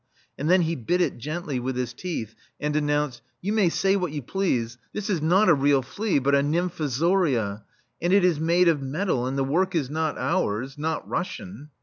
And then he bit it gently with his teeth, and announced: "You may say what you please, this is not a real flea, but a nymfozoria, and 'tis made of metal, and the work is not ours, not Russian."